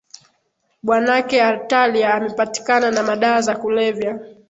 Bwanake Artalia amepatikana na madawa za kulevya.